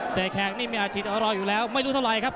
แขกนี่มีอาชีพรออยู่แล้วไม่รู้เท่าไรครับ